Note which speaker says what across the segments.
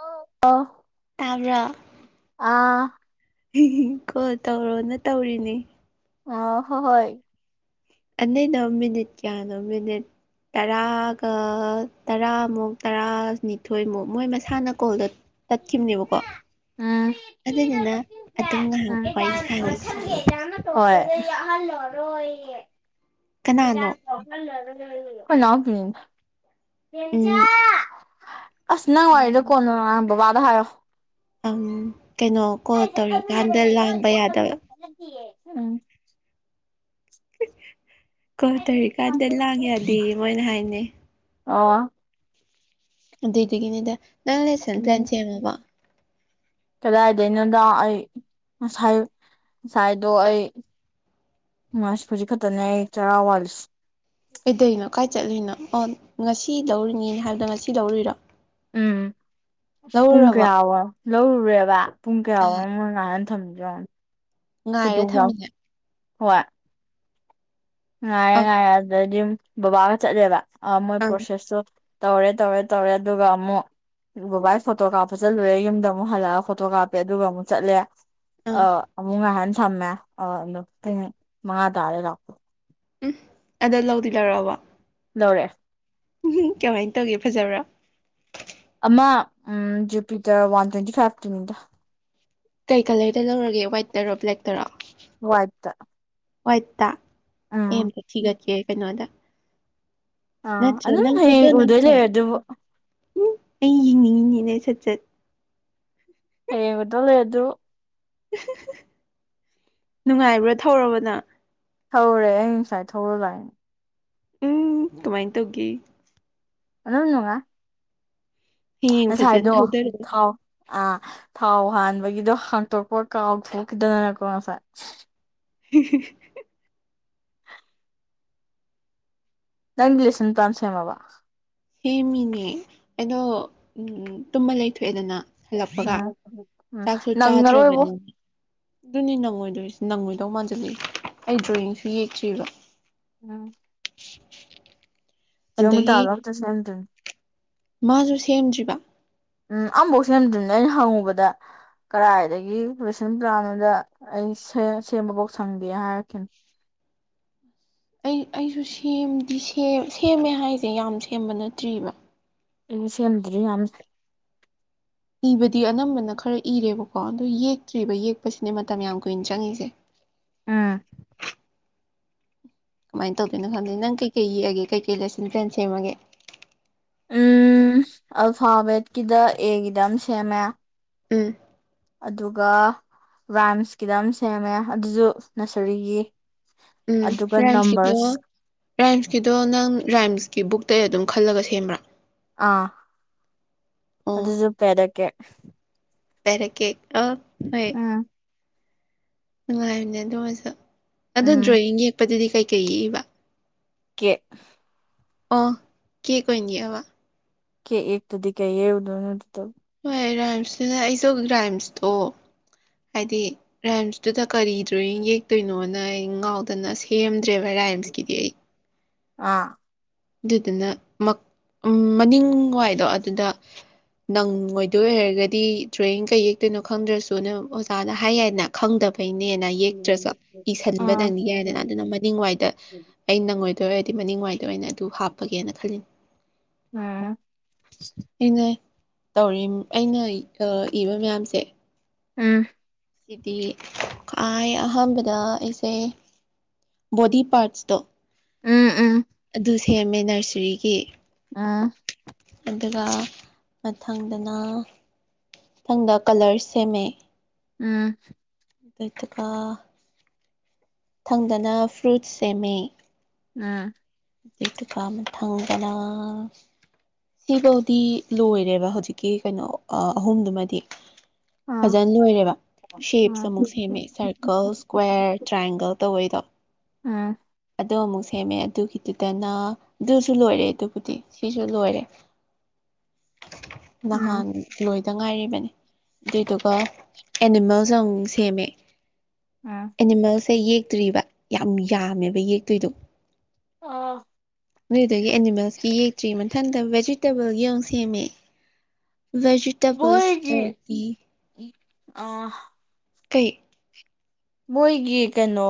Speaker 1: ꯑꯣ ꯑꯣ
Speaker 2: ꯇꯥꯕ꯭ꯔꯣ
Speaker 1: ꯑꯥ
Speaker 2: ꯀꯣꯜ ꯇꯧꯔꯣꯅ ꯇꯧꯔꯤꯅꯦ
Speaker 1: ꯑ ꯍꯣ ꯍꯣꯏ
Speaker 2: ꯑꯅꯣꯏꯅꯣ ꯃꯤꯅꯤꯠ ꯀꯌꯥꯅꯣ ꯃꯤꯅꯤꯠ ꯇꯔꯥꯒ ꯇꯔꯥꯃꯨꯛ ꯇꯔꯥꯅꯤꯊꯣꯏꯃꯨꯛ ꯃꯣꯏ ꯃꯁꯥꯅ ꯀꯣꯜꯗ ꯇꯠꯈꯤꯕꯅꯦꯕꯀꯣ
Speaker 1: ꯎꯝ
Speaker 2: ꯑꯗꯨꯅꯤꯅ ꯑꯗꯨꯝ ꯉꯥꯏꯍꯥꯛ ꯋꯥꯔꯤ ꯁꯥꯔꯤꯁꯦ
Speaker 1: ꯍꯣꯏ
Speaker 2: ꯀꯅꯥꯅꯣ ꯎꯝ
Speaker 1: [unintelligible] [unintelligible] ꯑꯁ ꯅꯪ ꯋꯥꯔꯤꯏꯔꯤꯗꯣ ꯀꯣꯟꯅꯣ ꯅꯍ ꯕꯕꯥꯗ ꯍꯥꯏꯌꯣ
Speaker 2: ꯀꯩꯅꯣ ꯀꯣꯜ ꯇꯧꯔꯤꯀꯥꯟꯗ ꯂꯥꯡꯕ ꯌꯥꯗꯕ
Speaker 1: ꯎꯝ
Speaker 2: ꯀꯣ ꯇꯧꯔꯤ ꯀꯥꯟꯗ ꯂꯥꯡ ꯌꯥꯗ ꯃꯣꯏꯅ ꯍꯥꯏꯅꯩ
Speaker 1: ꯑꯣ
Speaker 2: ꯑꯗꯨꯏꯗꯨꯒꯤꯅꯤꯗ ꯅꯪ ꯂꯦꯁꯟ ꯄ꯭ꯂꯥꯟ ꯁꯦꯝꯃꯕ
Speaker 1: ꯀꯗꯥꯏꯗꯩꯅꯣꯗꯣ ꯑꯩ ꯉꯁꯥꯏ ꯉꯁꯥꯏꯗꯣ ꯑꯩ ꯃꯥꯥꯁ ꯐꯖꯤ ꯈꯛꯇꯅꯦ ꯑꯩ ꯆꯔꯥ ꯋꯥꯂꯤꯁ
Speaker 2: ꯀꯩꯗꯅꯣ ꯀꯥꯏ ꯆꯠꯂꯤꯅꯣ ꯑꯣ ꯉꯁꯤ ꯂꯧꯔꯤꯉꯅꯦ ꯍꯥꯏꯕꯗꯣ ꯉꯁꯤ ꯂꯧꯔꯤꯔꯣ
Speaker 1: ꯎꯝ ꯄꯨꯡ ꯀꯌꯥꯣ ꯂꯧꯔꯨꯔꯦꯕ ꯄꯨꯡ
Speaker 2: ꯑ
Speaker 1: ꯀꯌꯥꯣ ꯃꯃ ꯀꯟ
Speaker 2: ꯉꯥꯏꯔ ꯊꯝꯃꯤꯅꯦ
Speaker 1: [unintelligible] ꯉꯥꯏꯔꯦ
Speaker 2: ꯑꯪ
Speaker 1: ꯉꯥꯏꯔꯦ ꯑꯗꯨꯗꯗꯤ ꯑꯗꯨꯝ ꯕꯕꯥꯒ ꯆꯠꯂꯦꯕ ꯃꯣꯏ
Speaker 2: ꯑꯪ
Speaker 1: ꯄ꯭ꯔꯣꯁꯦꯁꯇꯣ ꯇꯧꯔꯦ ꯇꯧꯔꯦ ꯇꯧꯔꯦ ꯑꯗꯨꯒ ꯑꯃꯨꯛ ꯕꯥ ꯑꯩ ꯐꯣꯇꯣ ꯀꯥꯞꯄ ꯆꯠꯂꯨꯔꯦ ꯌꯨꯝꯗ ꯑꯃꯨꯛ ꯍꯜꯂꯛꯑꯒ ꯐꯣꯇꯣ ꯀꯥꯞꯄꯦ ꯑꯗꯨꯒ ꯑꯃꯨꯛ ꯆꯠꯂꯦ ꯑ
Speaker 2: ꯑꯪ
Speaker 1: ꯑꯃꯨꯛ ꯉꯥꯏꯍꯥꯟ ꯊꯝꯃꯦ ꯑ ꯑꯗꯨꯗꯣ ꯄꯨꯡ ꯃꯉꯥ ꯇꯥꯔꯦ ꯂꯥꯛꯄ
Speaker 2: ꯎꯝ ꯑꯗ ꯂꯧꯗꯤ ꯂꯧꯔꯛꯑꯕꯣ
Speaker 1: ꯂꯧꯔꯛꯑꯦ
Speaker 2: ꯎꯝꯍꯝ ꯀꯃꯥꯏꯟ ꯇꯧꯒꯦ ꯐꯖꯕ꯭ꯔꯥ
Speaker 1: ꯑꯃ ꯎꯝ ꯖꯦ ꯄꯤꯗ ꯋꯥꯟ ꯇ꯭ꯋꯦꯟꯇꯤ ꯐꯥꯏꯚ ꯇꯃꯤꯗ
Speaker 2: ꯀꯩ ꯀꯂꯔꯗ ꯂꯧꯔꯒꯦ ꯋꯥꯏꯠꯇꯔꯣ ꯕ꯭ꯂꯦꯛꯇꯔꯣ
Speaker 1: ꯋꯥꯏꯠꯇ
Speaker 2: ꯋꯥꯏꯠꯇ ꯍꯇ
Speaker 1: ꯎꯝ
Speaker 2: ꯊꯤꯦ ꯀꯩꯅꯣ ꯑꯗ
Speaker 1: ꯑꯥ
Speaker 2: ꯑꯆꯥ
Speaker 1: ꯑꯗꯨꯝ
Speaker 2: ꯅꯪꯈꯗ
Speaker 1: ꯍꯌꯦꯡ ꯎꯗꯣꯏ
Speaker 2: ꯅꯪꯈ
Speaker 1: ꯂꯩꯔꯦ ꯑꯗꯨꯕꯨ
Speaker 2: ꯎꯝ ꯑꯩ ꯌꯦꯡꯅꯤꯡꯉꯤꯅꯦꯅ ꯑꯩ ꯁꯠ ꯆꯠ
Speaker 1: ꯑꯦꯉꯗꯣ ꯂꯩ ꯑꯗꯨꯣ
Speaker 2: ꯅꯨꯡꯉꯥꯏꯕ꯭ꯔꯥ ꯊꯧꯔꯕꯅ
Speaker 1: ꯊꯧꯔꯦ ꯑꯩ ꯉꯁꯥꯏ ꯊꯧꯔ ꯂꯏꯅꯦ
Speaker 2: ꯎꯝ ꯀꯃꯥꯏꯅ ꯇꯧꯒꯦ
Speaker 1: ꯑꯣꯅꯨꯡꯉꯥꯏ
Speaker 2: ꯍꯌꯦꯡ ꯐꯖꯅ
Speaker 1: ꯉꯁꯥꯏꯗꯣ
Speaker 2: ꯊꯧꯗꯔꯛꯑꯣ
Speaker 1: ꯊꯥꯎ ꯑꯥ ꯊꯥꯎ ꯍꯥꯟꯕꯒꯤꯗꯣ ꯍꯥꯡꯇꯣꯛꯄ ꯀꯥꯎꯊꯣꯛꯈꯤꯗꯗꯅꯀꯣ ꯉꯁꯥꯏ
Speaker 2: ꯎ
Speaker 1: ꯅꯪ ꯂꯤꯦꯁꯟ ꯇꯥꯟ ꯁꯦꯃꯕꯥ
Speaker 2: ꯍ ꯃꯤꯅꯦ ꯑꯗꯣ ꯇꯨꯝꯕ ꯂꯩꯊꯣꯛꯑꯦꯗꯅ ꯍꯜꯂꯛꯄꯒ
Speaker 1: ꯎꯝ ꯎꯝ
Speaker 2: ꯆꯥꯛꯁꯨ
Speaker 1: ꯅꯪꯉꯔꯣꯏꯕꯣ
Speaker 2: ꯆꯥꯗ꯭ꯔꯕꯅꯤ ꯑꯗꯨꯅꯤ ꯅꯪꯉꯣꯏꯗꯣꯏꯁꯦ ꯅꯪꯉꯣꯏꯗꯧ ꯃꯥꯟꯁꯤꯂ ꯑꯩ ꯗ꯭ꯔꯣꯌꯤꯡꯁꯨ ꯌꯦꯛꯇ꯭ꯔꯤꯕ
Speaker 1: ꯎꯝ
Speaker 2: [inaudible]
Speaker 1: ꯀꯣꯃꯤ
Speaker 2: ꯑꯗꯒꯤ
Speaker 1: ꯇꯥꯗꯣꯠꯇ ꯁꯍꯅꯗꯅꯤ
Speaker 2: ꯃꯥꯁꯨ ꯁꯦꯝꯗ꯭ꯔꯤꯕ
Speaker 1: ꯎꯝ ꯑꯐꯧꯁꯤ ꯅꯗꯅꯦ ꯑꯩꯅ ꯍꯪꯉꯨꯕꯗ ꯀꯗꯥꯏꯗꯒꯤ ꯔꯦꯁꯟ ꯄ꯭ꯂꯥꯟ ꯑꯃꯗ ꯑꯩ ꯁꯦꯝꯕꯐꯥꯎ ꯁꯪꯒꯦ ꯍꯥꯏꯔꯛꯈꯤꯅ
Speaker 2: ꯑꯩ ꯑꯩꯁꯨ ꯁꯦꯝꯗꯤ ꯁꯦꯝꯃꯦ ꯍꯥꯏꯁꯦ ꯌꯥꯝ ꯁꯦꯝꯕ ꯅꯠꯇ꯭ꯔꯤꯕ
Speaker 1: ꯑꯩ ꯁꯦꯝꯗ꯭ꯔꯗꯤ ꯌꯥꯝ
Speaker 2: ꯏꯕꯗꯤ ꯑꯅꯝꯕꯅ ꯈꯔ ꯏꯔꯦꯕꯀꯣ ꯑꯗꯨ ꯌꯦꯛꯇ꯭ꯔꯤꯕ ꯌꯦꯛꯄꯁꯤꯅꯦ ꯃꯇꯝ ꯌꯥꯝ ꯀꯨꯏꯅ ꯆꯪꯉꯤꯁꯦ
Speaker 1: ꯎꯝ
Speaker 2: ꯀꯃꯥꯏꯅ ꯇꯧꯗꯦꯅꯣ ꯈꯪꯗꯦ ꯅꯪ ꯀꯩ ꯀꯩ ꯌꯦꯛꯑꯒꯦꯩꯀꯩ ꯂꯦꯁꯟ ꯄꯦꯟ ꯁꯦꯝꯃꯒꯦ
Speaker 1: ꯎꯝ ꯑꯜꯐꯥꯕꯦꯠꯀꯤꯗ ꯑꯦꯒꯤꯗ ꯑꯃ ꯁꯦꯝꯃꯦ
Speaker 2: ꯎꯝ
Speaker 1: ꯑꯗꯨꯒ ꯔꯥꯏꯝꯁꯀꯤꯗ ꯑꯃ ꯁꯦꯝꯃꯦ ꯑꯗꯨꯁꯨ ꯅꯁꯔꯤꯒꯤ
Speaker 2: ꯎꯝ
Speaker 1: ꯑꯗꯨꯒ
Speaker 2: ꯔꯥꯏꯝꯁꯀꯤꯗꯣ
Speaker 1: ꯅꯝꯕꯔꯁ
Speaker 2: ꯔꯥꯏꯝꯁꯀꯤꯗꯣ ꯅꯪ ꯔꯥꯏꯝꯁꯀꯤ ꯕꯨꯛꯇ ꯑꯗꯨꯝ ꯈꯜꯂꯒ ꯁꯦꯝꯕ꯭ꯔꯥ
Speaker 1: ꯑꯥ
Speaker 2: ꯑꯣ
Speaker 1: ꯑꯗꯨꯁꯨꯄꯦꯗꯀꯦ
Speaker 2: ꯄꯦꯔꯒꯦ
Speaker 1: ꯑꯝ
Speaker 2: ꯅꯨꯡꯉꯥꯏꯕꯅꯦ ꯑꯗꯨ ꯑꯣꯏꯁꯨ ꯑꯗꯣ
Speaker 1: ꯎꯝ
Speaker 2: ꯗ꯭ꯔꯣꯋꯤꯡ ꯌꯦꯛꯄꯗꯨꯗꯤ ꯀꯩꯀꯩ ꯌꯦꯛꯏꯕ
Speaker 1: ꯀꯦ
Speaker 2: ꯑ ꯀ ꯀꯅꯤꯕ
Speaker 1: ꯀ ꯇꯗꯤ ꯀꯩ ꯌꯦꯗꯅ
Speaker 2: ꯍꯣꯏ ꯔꯥꯏꯝꯁꯇꯅ ꯑꯩꯁꯨ ꯔꯥꯏꯝꯁꯇꯣ ꯍꯥꯏꯗꯤ ꯔꯦꯝꯁꯇꯨꯗ ꯀꯔꯤ ꯗ꯭ꯔꯣꯋꯤꯡ ꯌꯦꯛꯇꯣꯏꯅꯣꯅ ꯑꯩ ꯉꯥꯎꯗꯅ ꯁꯤ ꯀ ꯑꯦꯝ ꯗ꯭ꯔꯦꯚꯔ ꯔꯥꯏꯝꯁꯀꯤꯗꯤ ꯑꯩ
Speaker 1: ꯑꯥ
Speaker 2: ꯑꯗꯨꯗꯨꯅ ꯃꯅꯤꯡ ꯋꯥꯏꯗꯣ ꯑꯗꯨꯗ ꯅꯪ ꯑꯣꯏꯗꯣꯏ ꯑꯣꯏ ꯍꯥꯏꯔꯒꯗꯤ ꯗ꯭ꯔꯣꯌꯤꯡ ꯀꯩ ꯌꯦꯛꯇꯣꯏꯅꯣ ꯈꯪꯗ꯭ꯔꯁꯨ ꯅ ꯑꯣꯖꯥꯅ ꯍꯥꯏ ꯌꯥꯅ ꯈꯪꯗꯕꯩꯅꯦꯅ ꯌꯦꯛꯇ꯭ꯔꯁꯨ ꯏꯁꯁꯤꯟꯕ
Speaker 1: ꯎꯝ
Speaker 2: ꯅꯪꯅꯤ ꯌꯥꯏꯗꯅ ꯑꯗꯨꯅ ꯃꯅꯤꯡꯋꯥꯏꯗ ꯑꯩ ꯅꯪꯉꯏꯗꯣꯏ ꯑꯣꯏꯔꯗꯤ ꯃꯅꯤꯡ ꯋꯥꯏꯗꯣꯏ ꯑꯣꯏꯅ ꯑꯗꯨ ꯍꯥꯞꯄꯒꯦꯅ ꯈꯜꯂꯤ
Speaker 1: ꯎꯝ
Speaker 2: ꯑꯩꯅ ꯇꯧꯔꯤ ꯑꯩꯅ ꯏꯕ ꯃꯌꯥꯝꯁꯦ
Speaker 1: ꯎꯝ
Speaker 2: ꯁꯤꯗꯤ ꯈ꯭ꯥꯏ ꯑꯍꯥꯟꯕꯗ ꯑꯩꯁꯦ ꯕꯣꯗꯤ ꯄꯥꯔꯠꯁꯇꯣ
Speaker 1: ꯎꯝ ꯎꯝ
Speaker 2: ꯑꯗꯨ ꯁꯦꯝꯃꯦ ꯅꯔꯁꯔꯤꯒꯤ
Speaker 1: ꯑꯥ
Speaker 2: ꯑꯗꯨꯒ ꯃꯊꯪꯗꯅ ꯃꯊꯪꯗ ꯀꯂꯔ ꯁꯦꯝꯃꯦ
Speaker 1: ꯎꯝ
Speaker 2: ꯑꯗꯨꯒ ꯊꯪꯗꯅ ꯐ꯭ꯔꯨꯠꯁ ꯁꯦꯝꯃꯤ
Speaker 1: ꯎꯝ
Speaker 2: ꯄꯗꯨ ꯀꯥ ꯃ ꯊꯪꯒꯅꯥ ꯁꯤꯐꯧꯗꯤ ꯂꯣꯏꯔꯦꯕ ꯍꯧꯖꯤꯛꯀꯤ ꯀꯩꯅꯣ ꯑꯍꯨꯝꯗꯨꯃꯗꯤ
Speaker 1: ꯑꯥ
Speaker 2: ꯐꯖꯅ ꯂꯣꯏꯔꯦꯕ ꯁꯦꯞꯁ
Speaker 1: ꯎꯝ
Speaker 2: ꯑꯃꯨꯛ ꯁꯦꯝꯃꯦ ꯁꯔꯀꯜꯁ ꯏꯁ꯭ꯀ꯭ꯋꯦꯔ ꯇ꯭ꯔꯥꯏꯌꯦꯡꯒꯜ ꯇꯧꯕꯩꯗꯣ
Speaker 1: ꯎꯝ
Speaker 2: ꯑꯗ ꯑꯃꯨꯛ ꯁꯦꯝꯃꯦ ꯑꯗꯨꯒꯤꯗꯨꯗꯅ ꯑꯗꯨꯁꯨ ꯂꯣꯏꯔꯦ ꯑꯗꯨꯕꯨꯗꯤ ꯁꯤꯁꯨ ꯂꯣꯏꯔꯦ ꯅꯍꯥꯟ
Speaker 1: ꯎꯝ
Speaker 2: ꯂꯣꯏꯗ ꯉꯥꯏꯔꯤꯕꯅꯤ ꯑꯗꯨꯏꯗꯨꯒ ꯑꯦꯅꯤꯃꯦꯜꯁ ꯑꯃꯨ ꯁꯦꯝꯃꯦ
Speaker 1: ꯑꯥ
Speaker 2: ꯑꯦꯅꯤꯃꯦꯜꯁꯦ ꯌꯦꯛꯇ꯭ꯔꯤꯕ ꯌꯥꯝ ꯌꯥꯝꯃꯦꯕ ꯌꯦꯛꯇꯣꯏꯗꯣ
Speaker 1: ꯑ
Speaker 2: ꯅꯣꯏꯗꯒꯤ ꯑꯦꯅꯤꯃꯦꯜꯁꯀꯤ ꯌꯦꯛꯇ꯭ꯔꯤ ꯃꯊꯟꯇ ꯚꯦꯖꯤꯇꯦꯕꯜꯒꯤ ꯑꯃꯨꯛ ꯁꯦꯝꯃꯦ ꯚꯦ
Speaker 1: ꯃꯣꯏꯒꯤ ꯑ
Speaker 2: ꯀꯩ
Speaker 1: ꯃꯣꯏꯒꯤ ꯀꯩꯅꯣ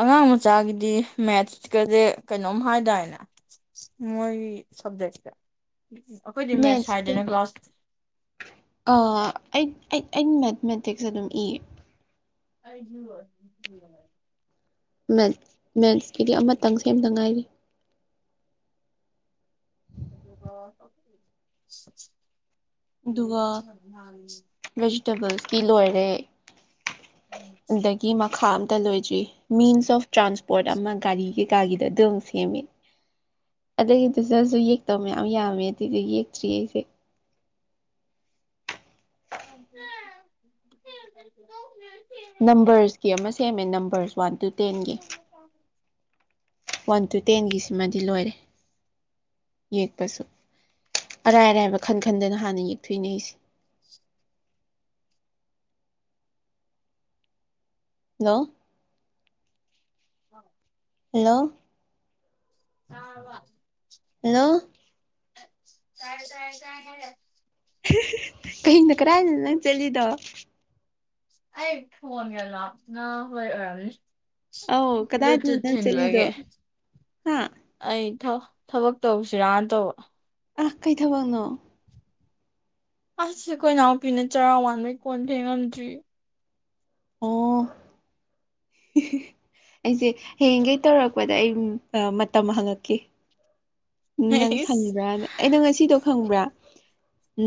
Speaker 1: ꯑꯉꯥꯡ ꯃꯆꯥꯒꯤꯗꯤ ꯃꯦꯠꯁꯀꯁꯦ ꯀꯩꯅꯣꯝ ꯍꯥꯏꯇꯥꯔꯦꯅꯦ ꯃꯣꯏꯒꯤ ꯁꯞꯖꯦꯛꯇ ꯑꯩꯈꯣꯏꯗꯤ ꯃꯦꯠꯁ
Speaker 2: ꯃꯦꯠꯁꯇꯣ
Speaker 1: ꯍꯥꯏꯗꯅ ꯀ꯭ꯂꯥꯁ
Speaker 2: ꯑꯩ ꯑ ꯃꯦꯊꯃꯦꯇꯤꯛꯁ ꯑꯗꯨꯝ ꯏꯌꯦ
Speaker 1: ꯑꯩꯒꯤ
Speaker 2: ꯃꯦꯁ ꯃꯦꯠꯁꯀꯤꯗꯤ ꯑꯃꯇꯪ ꯁꯦꯝꯅ ꯉꯥꯏꯔꯤ
Speaker 1: [inaudible]
Speaker 2: ꯚꯦꯖꯤꯇꯦꯕꯜꯁꯇꯤ ꯂꯣꯏꯔꯦ ꯑꯗꯒꯤ ꯃꯈꯥ ꯑꯝꯇ ꯂꯣꯏꯗ꯭ꯔꯤ ꯃꯤꯟꯁ ꯑꯣꯐ ꯇ꯭ꯔꯥꯟꯁꯄꯣꯔꯠ ꯑꯃ ꯒꯥꯔꯤ ꯀꯩꯀꯥꯒꯤꯗ ꯑꯗꯨꯝ ꯁꯦꯝꯃꯦ ꯑꯗꯒꯤꯗꯨꯗꯁꯨ ꯌꯦꯛꯇꯧ ꯃꯌꯥꯝ ꯌꯥꯝꯃꯦ ꯑꯗꯨꯏꯗꯤ ꯌꯦꯛꯇ꯭ꯔꯤꯌꯦ ꯑꯩꯁꯦ
Speaker 1: [inaudible] [inaudible]
Speaker 2: ꯅꯝꯕꯔꯁꯀꯤ ꯑꯃ ꯁꯦꯝꯃꯦ ꯅꯝꯕꯔꯁ ꯋꯥꯟ ꯇꯨ ꯇꯦꯟꯒꯤ ꯋꯥꯟ ꯇꯨ ꯇꯦꯟꯒꯤꯁꯤꯃꯗꯤ ꯂꯣꯏꯔꯦ ꯌꯦꯛꯄꯁꯨ ꯑꯔꯥꯏ ꯑꯔꯥꯏꯕ ꯈꯟ ꯈꯟꯗꯅ ꯍꯥꯟꯅ ꯌꯦꯛꯊꯣꯛꯅꯦꯩꯁꯦ
Speaker 1: [inaudible]
Speaker 2: ꯍꯜꯂꯣ
Speaker 1: ꯎꯝ
Speaker 2: ꯍꯜꯂꯣ
Speaker 1: [unintelligible]
Speaker 2: ꯍꯜꯂꯣ
Speaker 1: ꯇꯥꯔꯦ ꯇꯥꯔꯦ ꯇꯥꯏꯌꯦ
Speaker 2: ꯀꯤꯡꯗ ꯀꯗꯥꯥꯏꯗ ꯅꯪ ꯆꯠꯂꯤꯗꯣ
Speaker 1: ꯑꯩ ꯐꯣꯟ ꯀꯂ ꯑ ꯍ
Speaker 2: ꯑꯧ ꯀꯗꯥꯏꯗꯅꯣ
Speaker 1: ꯕ꯭ꯂꯨꯇꯨꯠ
Speaker 2: ꯅꯪ ꯆꯠꯂꯤꯗꯣ
Speaker 1: ꯊꯤꯟꯕꯒꯤ
Speaker 2: ꯍꯥ
Speaker 1: ꯑꯩ ꯊꯕꯛ ꯇꯧꯁꯤꯔꯥꯅ ꯇꯧꯕ
Speaker 2: ꯑꯥ ꯀꯩ ꯊꯕꯛꯅꯣ
Speaker 1: ꯑꯁꯈꯣꯏ ꯏꯅꯥꯎꯄꯤꯅ ꯆꯔꯥ ꯋꯥꯟꯕꯩ ꯀꯣꯟ ꯐꯦꯡ ꯉꯝꯗ꯭ꯔꯤ
Speaker 2: ꯑꯣ ꯑꯩꯁꯦ ꯍꯌꯦꯡꯒꯩ ꯇꯧꯔꯛꯄꯗ ꯑꯩ ꯃꯇꯝ ꯍꯪꯉꯛꯀꯦ ꯎꯝ ꯅꯪ
Speaker 1: ꯍꯩꯁ
Speaker 2: ꯁꯥꯜꯂꯤꯕ꯭ꯔꯥ ꯑꯩꯅꯣ ꯉꯁꯤꯗꯣ ꯈꯪꯕ꯭ꯔꯥ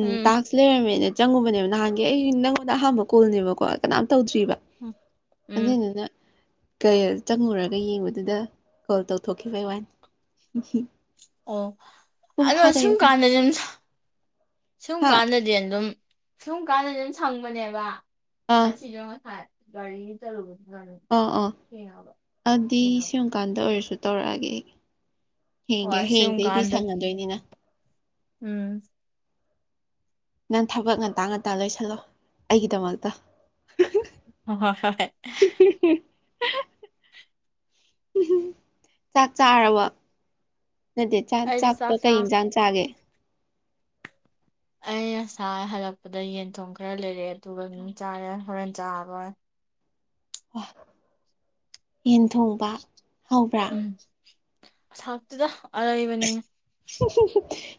Speaker 1: ꯎꯝ
Speaker 2: ꯇꯥꯁꯛ ꯂꯩꯔꯝꯃꯦꯅ ꯆꯪꯉꯨꯕꯅꯦꯕ ꯅꯍꯥꯟꯒꯤ ꯑꯩ ꯅꯪꯉꯣꯟꯗ ꯑꯍꯝꯕ ꯀꯣꯜꯅꯦꯕꯀꯣ ꯀꯅꯥꯝ ꯇꯧꯗ꯭ꯔꯤꯕ
Speaker 1: ꯎꯝ
Speaker 2: ꯑꯗꯨꯅꯦꯅ ꯀ ꯆꯪꯉꯨꯔꯒ ꯌꯦꯡꯕꯨꯗꯨꯗ ꯀꯣꯜ ꯇꯧꯊꯣꯛꯈꯤꯕꯩ ꯋꯥꯅꯤ
Speaker 1: ꯑꯣ
Speaker 2: ꯄꯨꯡ
Speaker 1: ꯑꯗꯣ
Speaker 2: ꯐꯥꯗꯣꯔꯦ
Speaker 1: ꯁꯨꯝ
Speaker 2: ꯄꯨꯡ
Speaker 1: ꯀꯥꯟꯗ ꯁꯨꯝ
Speaker 2: ꯐꯥꯗꯣꯔꯦ
Speaker 1: ꯁꯨꯝ
Speaker 2: ꯍꯥ
Speaker 1: ꯀꯥꯟꯗꯗꯤ ꯑꯗꯨꯝ ꯁꯨꯝ ꯀꯥꯟꯗꯗꯤ ꯑꯗꯨꯝ ꯁꯪꯕꯅꯦꯕ
Speaker 2: ꯑꯥ
Speaker 1: ꯉꯁꯤꯗ ꯉꯁꯥꯏ ꯒꯥꯔꯤ ꯆꯔꯨꯒ
Speaker 2: ꯑꯥ ꯑꯥ ꯑꯗꯨꯗꯤ ꯁꯤꯨꯝꯀꯥꯟꯗ ꯑꯣꯏꯔꯁꯨ ꯇꯧꯔꯛꯑꯒꯦ ꯑꯩ ꯍꯦꯡꯒꯦ
Speaker 1: ꯍꯣꯏ ꯁꯨꯝ
Speaker 2: ꯍꯌꯦꯗꯩꯗꯤ
Speaker 1: ꯀꯥꯟꯗ
Speaker 2: ꯁꯪꯉꯗꯣꯏꯅꯤꯅ
Speaker 1: ꯎꯝ
Speaker 2: ꯅꯪ ꯊꯕꯛ ꯉꯟꯇꯥ ꯉꯟꯇꯥ ꯂꯣꯏꯁꯤꯜꯂꯣ ꯑꯩꯒꯤꯗꯃꯛꯇ
Speaker 1: ꯍꯣꯏ ꯍꯣꯏ ꯍꯣꯏ
Speaker 2: [inaudible] ꯎ ꯆꯥꯛ ꯆꯥꯔꯕ ꯅꯠꯇꯦ ꯆꯥꯛ
Speaker 1: ꯑꯩꯁꯨ
Speaker 2: ꯆꯥꯛꯇꯣ
Speaker 1: ꯆꯥ
Speaker 2: ꯀꯩ ꯌꯦꯟꯁꯥꯡ ꯆꯥꯒꯦ
Speaker 1: ꯑꯩ ꯉꯁꯥ ꯍꯜꯂꯛꯄꯗ ꯌꯦꯟ ꯊꯣꯡ ꯈꯔ ꯂꯩꯔꯛꯑꯦ ꯑꯗꯨꯒ ꯃꯤ ꯆꯥꯔꯦ ꯍꯣꯔꯦꯟ ꯆꯥꯔꯣꯏ
Speaker 2: ꯌꯦꯟ ꯊꯣꯡꯕ ꯍꯧꯕ꯭ꯔꯥ
Speaker 1: ꯍꯥꯎꯇꯦꯗꯥ ꯑꯔꯩꯕꯅꯤ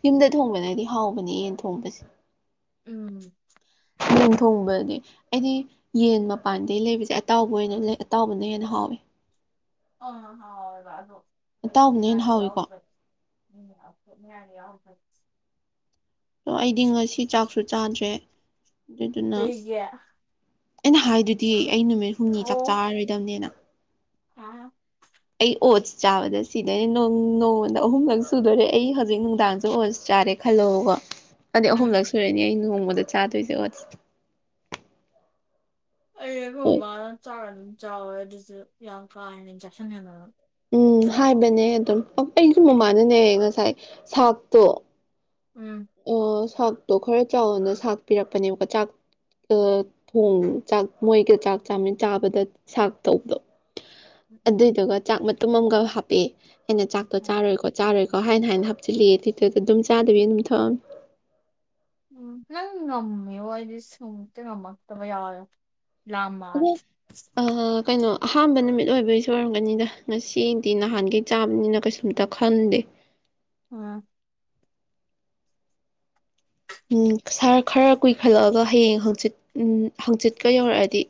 Speaker 2: ꯌꯨꯝꯗ ꯊꯣꯡꯕꯅꯗꯤ ꯍꯥꯎꯕꯅꯦ ꯌꯦꯟ ꯊꯣꯡꯕꯁꯦ
Speaker 1: ꯎꯝ
Speaker 2: ꯌꯦꯟ ꯊꯣꯡꯕ ꯑꯩꯗꯤ ꯌꯦꯟ ꯃꯄꯥꯟꯗꯒꯤ ꯂꯩꯕꯁꯦ ꯑꯇꯥꯎꯕ ꯑꯣꯏꯅ ꯂꯩ ꯑꯇꯥꯎꯕꯅ ꯍꯦꯟꯅ ꯍꯥꯎꯋꯦ
Speaker 1: ꯑꯥ ꯍꯥꯎꯋꯦ ꯑꯗꯣ ꯑꯩ
Speaker 2: ꯑꯇꯥꯎꯕꯅ ꯍꯦꯟꯅ
Speaker 1: ꯊꯣꯛꯅꯤꯡꯉꯥꯏꯗꯤ
Speaker 2: ꯍꯥꯎꯋꯦꯀꯣ
Speaker 1: ꯌꯥꯎꯗꯕ [unintelligible]
Speaker 2: ꯑꯗꯣ ꯑꯩꯗꯤ ꯉꯁꯤ ꯆꯥꯛꯁꯨ ꯆꯥꯗ꯭ꯔꯦ ꯑꯗꯨꯗꯨꯅ
Speaker 1: ꯀꯩꯒꯤ
Speaker 2: ꯑꯩꯅ ꯍꯥꯏꯗꯨꯗꯤ ꯑꯩ ꯅꯨꯃꯤꯠ ꯍꯨꯝꯅꯤ ꯆꯥꯛ ꯆꯥꯔꯔꯣꯏꯗꯕꯅꯤꯅ
Speaker 1: ꯑꯥ
Speaker 2: ꯑꯩ ꯑꯣꯠꯁ ꯆꯥꯕꯗ ꯁꯤꯗꯅꯦ ꯅꯣꯡꯃꯣꯟꯗ ꯑꯍꯨꯝꯂꯛ ꯁꯨꯗꯣꯔꯦ ꯑꯩ ꯍꯧꯖꯤꯛ ꯅꯨꯡꯗꯥꯡꯁꯨ ꯑꯣꯠꯁ ꯆꯥꯔꯦ ꯈꯜꯂꯛꯎꯀꯣ ꯑꯩ
Speaker 1: ꯎꯝ
Speaker 2: ꯑꯍꯨꯝꯂꯛ ꯁꯨꯔꯦꯅꯤ ꯑꯩ ꯅꯣꯡꯃꯗ ꯆꯥꯗꯣꯏꯁꯦ ꯑꯣꯠꯁ
Speaker 1: ꯑꯩꯒꯨꯝꯕ ꯑꯗꯨ ꯆꯥꯛꯔ ꯑꯗꯨꯝ ꯆꯥꯎꯋꯦ ꯑꯗꯨꯁꯨ ꯌꯥꯝ ꯀꯥ ꯍꯦꯅ ꯏꯟꯖꯦꯛꯁꯟ ꯌꯦꯗ
Speaker 2: ꯎꯝ ꯍꯥꯏꯕꯅꯦ ꯑꯗꯨꯝ ꯑꯩꯁꯨ ꯃꯃꯥꯅꯅꯦꯍ ꯉꯁꯥꯏ ꯁꯥꯛꯇꯣ
Speaker 1: ꯎꯝ
Speaker 2: ꯑ ꯁꯥꯛꯇꯣ ꯈꯔ ꯆꯥꯎꯅ ꯁꯥꯛ ꯄꯤꯔꯛꯄꯅꯦꯕꯀꯣ ꯆꯥꯛ ꯊꯣꯡ ꯆꯥꯛ ꯃꯣꯏꯒ ꯆꯥꯛ ꯆꯥꯃꯤ ꯆꯥꯕꯗ ꯁꯥꯛ ꯇꯧꯕꯗꯣ ꯑꯗꯨꯏꯗꯨꯒ ꯆꯥꯛ ꯃꯇꯨꯝ ꯑꯃꯒ ꯍꯥꯞꯄꯦ ꯑꯩꯅ ꯆꯥꯛꯇꯣ ꯆꯥꯔꯣꯏꯀꯣ ꯆꯥꯔꯣꯏ ꯀꯣ ꯍꯥꯏꯅ ꯍꯥꯏꯅ ꯍꯥꯞꯆꯤꯜꯂꯛꯑꯦ ꯑꯗꯨꯇꯔꯗ ꯑꯗꯨꯝ ꯆꯥꯗꯕꯤ ꯑꯗꯨꯝ ꯊꯣꯛꯑꯝꯃꯦ
Speaker 1: ꯎꯝ ꯅꯪ ꯉꯝꯃꯦꯕꯣ ꯑꯩꯗꯤ ꯁꯨꯡꯇꯥ ꯉꯝꯃꯛꯇꯕ ꯌꯥꯎꯋꯦ
Speaker 2: ꯑꯣ
Speaker 1: ꯂꯥꯝꯃꯛꯑꯗꯤ
Speaker 2: ꯑ ꯀꯩꯅꯣ ꯑꯍꯥꯟꯕ ꯅꯨꯃꯤꯠ ꯑꯣꯏꯕꯒꯤꯁꯨ ꯑꯣꯏꯔꯝꯒꯅꯤꯗ ꯉꯁꯤꯗꯤ ꯅꯍꯥꯟꯈꯩ ꯆꯥꯕꯅꯤꯅ ꯀꯩꯁꯨꯝꯇ ꯈꯟꯗꯦ
Speaker 1: ꯑ
Speaker 2: ꯎꯝ ꯁꯥꯔ ꯈꯔ ꯀꯨꯏꯈꯠꯂꯛꯑꯒ ꯍꯌꯦꯡ ꯍꯥꯡꯆꯤꯠ ꯎ ꯍꯥꯡꯆꯤꯠꯀ ꯌꯧꯔꯛꯑꯗꯤ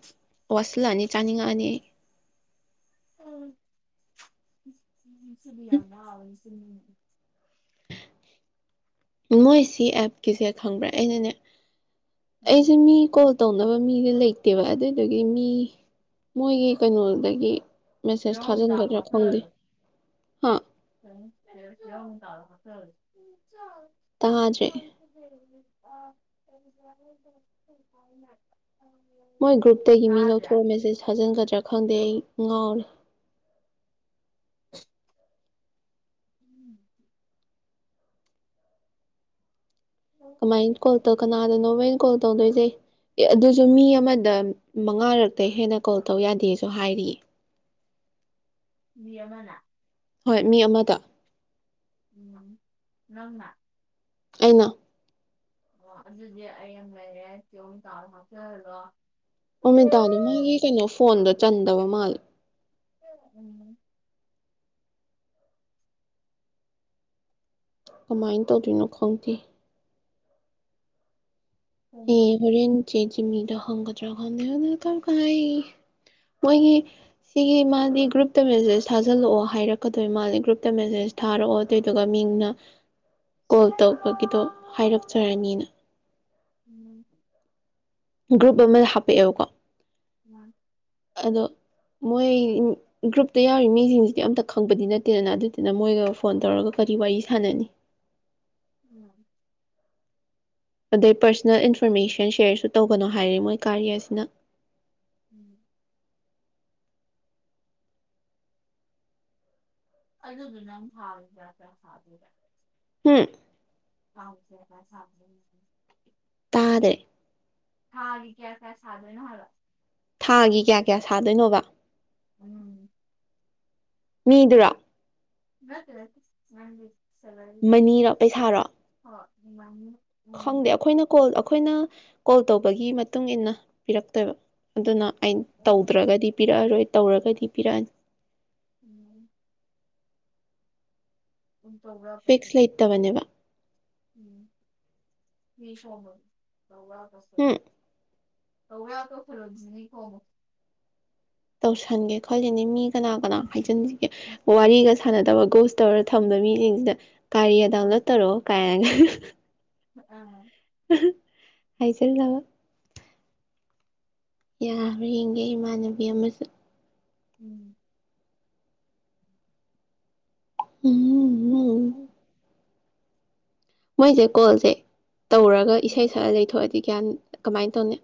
Speaker 2: ꯋꯥꯁꯤꯜꯂꯛꯑꯅꯤ ꯆꯥꯅꯤꯡꯉꯛꯑꯅꯤ
Speaker 1: [unintelligible]
Speaker 2: ꯃꯣꯏ ꯁꯤ ꯑꯦꯞꯀꯤꯁꯦ ꯈꯪꯕ꯭ꯔꯥ ꯑꯩꯅꯅꯦ
Speaker 1: ꯎꯝ
Speaker 2: ꯑꯩꯁꯦ ꯃꯤ ꯇꯧꯅꯕ ꯃꯤꯗꯤ ꯂꯩꯇꯦꯕ ꯑꯗꯨꯗꯨꯒꯤ ꯃꯤ ꯃꯣꯏꯒꯤ ꯀꯩꯅꯣꯗꯒꯤ ꯃꯦꯁꯦꯁ
Speaker 1: ꯌꯦꯔꯨꯝ ꯃꯆꯥꯗꯣ
Speaker 2: ꯊꯖꯥꯟꯗꯣꯏꯔꯥ ꯈꯪꯗꯦ
Speaker 1: ꯍꯥꯞꯆꯜꯂꯣ
Speaker 2: ꯍꯥ
Speaker 1: [unintelligible]
Speaker 2: ꯇꯥꯗ꯭ꯔꯦ
Speaker 1: [inaudible]
Speaker 2: ꯃꯣꯏ ꯒ꯭ꯔꯨꯞꯇꯒꯤ ꯃꯤ
Speaker 1: ꯇꯥꯗ꯭ꯔꯥ
Speaker 2: ꯂꯧꯊꯣꯛꯑꯒ ꯃꯦꯁꯦꯖ ꯊꯥꯖꯤꯟꯒꯗ꯭ꯔꯥ ꯈꯪꯗꯦ ꯑꯩ ꯉꯥꯎꯔꯦ
Speaker 1: [unintelligible]
Speaker 2: ꯀꯃꯥꯏꯅ ꯀꯣꯜ ꯇꯧ ꯀꯅꯥꯗꯅꯣ ꯑꯩꯏꯅ ꯀꯣꯜ ꯇꯧꯗꯣꯏꯁꯦ ꯑꯦ ꯑꯗꯨꯁꯨ ꯃꯤ ꯑꯃꯗ ꯃꯉꯥꯔꯛꯇꯩ ꯍꯦꯟꯅ ꯀꯣꯜ ꯇꯧ ꯌꯥꯗꯦꯁꯨ ꯍꯥꯏꯔꯤꯌꯦ
Speaker 1: ꯃꯤ ꯑꯃꯅ
Speaker 2: ꯍꯣꯏ ꯃꯤ ꯑꯃꯗ
Speaker 1: ꯅꯪꯅ
Speaker 2: ꯑꯩꯅ
Speaker 1: ꯑꯣ ꯑꯗꯨꯗꯤ ꯑꯩ ꯑꯃꯥ ꯂꯩꯔꯦ ꯆꯦ ꯑꯣꯃꯤꯇꯥꯖꯨ ꯍꯥꯞꯆꯜ ꯍꯜꯂꯣ
Speaker 2: ꯑꯣꯃꯤꯇꯥꯗꯣ ꯃꯥꯒꯤ ꯀꯩꯅꯣ ꯐꯣꯟꯗꯣ ꯆꯟꯗꯕ ꯃꯥꯜꯂꯦ
Speaker 1: [unintelligible]
Speaker 2: ꯀꯃꯥꯏꯅ ꯇꯧꯗꯣꯏꯅꯣ ꯈꯪꯗꯦ ꯑꯩ
Speaker 1: ꯎꯝ
Speaker 2: ꯍꯣꯔꯦꯟ ꯆꯦ ꯖꯤꯃꯤꯗ [inaudible] ꯃꯣꯏꯒꯤ ꯁꯤꯒꯤ ꯃꯥꯗꯤ ꯒ꯭ꯔꯨꯞꯇ ꯃꯦꯁꯦꯖ ꯊꯥꯖꯤꯜꯂꯛꯑꯣ ꯍꯥꯏꯔꯛꯀꯗꯣꯏ ꯃꯥꯜꯂꯤ ꯒ꯭ꯔꯨꯞꯇ ꯃꯦꯁꯦꯁ ꯊꯥꯔꯛꯑꯣ ꯑꯗꯨꯏꯗꯨꯒ ꯃꯤꯡꯅ ꯀꯣꯜ ꯇꯧꯕꯒꯤꯗꯣ ꯍꯥꯏꯔꯛꯆꯔꯅꯤꯅ
Speaker 1: ꯎꯝ
Speaker 2: ꯒ꯭ꯔꯨꯞ ꯑꯃꯗ ꯍꯥꯞꯄꯛꯑꯦꯕꯀꯣ
Speaker 1: ꯎꯝ
Speaker 2: ꯑꯗꯣ ꯃꯣꯏ ꯒ꯭ꯔꯨꯞꯇ ꯌꯥꯎꯔꯤ ꯃꯤꯁꯤꯡꯁꯤꯗꯤ ꯑꯝꯇ ꯈꯪꯕꯗꯤ ꯅꯠꯇꯦꯗꯅ ꯑꯗꯨꯗꯨꯅ ꯃꯣꯏꯒ ꯐꯣꯟ ꯇꯧꯔꯒ ꯀꯔꯤ ꯋꯥꯔꯤ ꯁꯥꯟꯅꯅꯤ
Speaker 1: ꯎꯝ
Speaker 2: ꯑꯗꯩ ꯄꯔꯁꯣꯅꯦꯜ ꯏꯟꯐꯣꯔꯃꯦꯁꯟ ꯁꯦꯌꯔꯁꯨ ꯇꯧꯒꯅꯣ ꯍꯥꯏꯔꯦ ꯃꯣꯏ ꯀꯥꯔꯤꯌꯔꯁꯤꯅ
Speaker 1: ꯎꯝ ꯑꯗꯨꯗꯨꯅ ꯐꯥꯎꯗ꯭ꯔꯒꯗꯔ [inaudible]
Speaker 2: ꯍꯨꯝ
Speaker 1: [unintelligible]
Speaker 2: ꯇꯥꯗꯦ
Speaker 1: ꯊꯥꯒꯤ ꯀꯌꯥ ꯀꯌꯥ ꯁꯥꯗꯣꯏ ꯍꯥꯢꯕ
Speaker 2: ꯊꯥꯒꯤ ꯀꯌꯥ ꯀꯌꯥ ꯁꯥꯗꯣꯏꯅꯣꯕ
Speaker 1: ꯑꯝ
Speaker 2: ꯃꯤꯗꯨꯔꯣ
Speaker 1: ꯅꯠꯇꯦꯗ ꯅꯪꯒꯤ
Speaker 2: ꯃꯅꯤꯔꯣ ꯄꯩꯁꯥꯔꯣ
Speaker 1: ꯍꯣꯢ ꯃꯅꯤ
Speaker 2: ꯈꯪꯗꯦ ꯑꯩꯈꯣꯏꯅ ꯀꯣꯜ ꯑꯩꯈꯣꯏꯅ ꯀꯣꯜ ꯇꯧꯕꯒꯤ ꯃꯇꯨꯡ ꯏꯟꯅ ꯄꯤꯔꯛꯇꯣꯏꯕ ꯑꯗꯨꯅ ꯑꯩꯅ
Speaker 1: ꯑꯥ
Speaker 2: ꯇꯧꯗ꯭ꯔꯒꯗꯤ ꯄꯤꯔꯛꯑꯔꯣꯏ ꯇꯧꯔꯒꯗꯤ ꯄꯤꯔꯛꯑꯅꯤ
Speaker 1: ꯎꯝ ꯎꯨꯡ ꯇꯣꯕ ꯄ
Speaker 2: ꯐꯤꯛꯁ ꯂꯩꯇꯕꯅꯦꯕ
Speaker 1: [inaudible] ꯎꯝ ꯃꯤꯁꯣꯝꯕ ꯧꯔ ꯀꯁ [inaudible]
Speaker 2: ꯍꯝ
Speaker 1: ꯇꯧꯥ ꯀꯣ ꯐꯔꯣꯅꯤ ꯀꯣ [inaudible]
Speaker 2: ꯇꯧꯁꯟꯒꯦ ꯈꯜꯂꯤꯅꯤ ꯃꯤ ꯀꯅꯥ ꯀꯅꯥ ꯍꯥꯏꯖꯤꯟꯁꯤꯒꯦ ꯋꯥꯔꯤꯒ ꯁꯥꯟꯅꯗꯕ ꯒꯣꯁ ꯇꯧꯔ ꯊꯝꯕ ꯃꯤꯁꯤꯡꯁꯤꯗ ꯀꯥꯔꯤꯌꯥ ꯗꯥꯎꯟꯂꯣꯗ ꯇꯧꯔꯛꯑꯣ ꯀꯥꯏꯅꯒ
Speaker 1: ꯎꯝ
Speaker 2: ꯍꯥꯤꯖꯤꯟꯂꯒ ꯌꯥꯈ꯭ꯔ ꯌꯦꯡꯒꯦ ꯏꯃꯥꯟꯅꯕꯤ ꯑꯃꯁꯨ
Speaker 1: ꯎꯝ
Speaker 2: ꯎꯝ
Speaker 1: ꯎꯝ
Speaker 2: ꯃꯣꯏꯁꯦ ꯀꯣꯜꯁꯦ ꯇꯧꯔꯒ ꯏꯁꯩ ꯁꯛꯑ ꯌꯩꯊꯣꯛꯑꯗꯤ ꯒ꯭ꯌꯥꯟ ꯀꯃꯥꯏꯅ ꯇꯧꯅꯤ